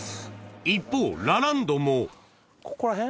一方ラランドもここらへん？